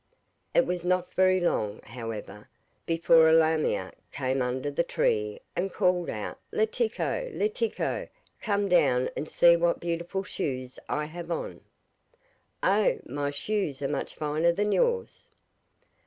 It was not very long, however, before a lamia came under the tree and called out: 'Letiko, Letiko, come down and see what beautiful shoes I have on.' 'Oh! my shoes are much finer than yours.